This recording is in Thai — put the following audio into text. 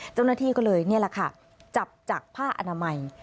เจ้าหน้าที่ก็เลยนี่แหละค่ะจับจากผ้าอนามัย